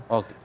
oh gitu ya